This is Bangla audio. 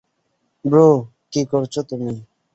ব্রো, কী করছো তুমি?